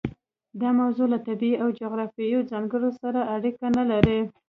دا موضوع له طبیعي او جغرافیوي ځانګړنو سره اړیکه نه لري.